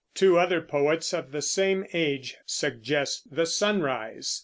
Two other poets of the same age suggest the sunrise.